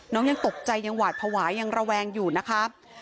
น้องยังตกใจยังหวาดภวายยังระแวงอยู่นะครับ